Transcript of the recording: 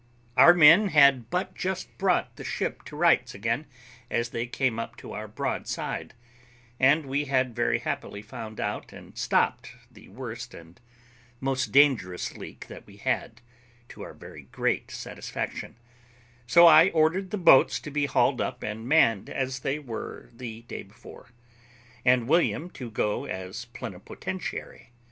Our men had but just brought the ship to rights again as they came up to our broadside, and we had very happily found out and stopped the worst and most dangerous leak that we had, to our very great satisfaction; so I ordered the boats to be hauled up and manned as they were the day before, and William to go as plenipotentiary.